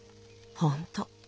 ほんと。